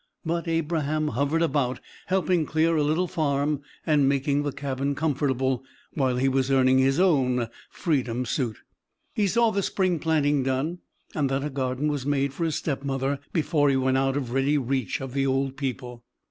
But Abraham hovered about, helping clear a little farm, and making the cabin comfortable while he was earning his own "freedom suit." He saw the spring planting done and that a garden was made for his stepmother before he went out of ready reach of the old people.